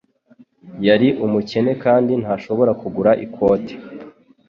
Yari umukene kandi ntashobora kugura ikote